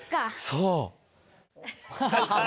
そう。